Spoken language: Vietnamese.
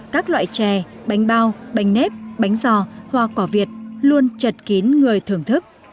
các loại chè bánh bao bánh nếp bánh giò hoa cỏ việt luôn chật kín người thưởng thức